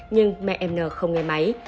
nhưng mẹ n không nghe máy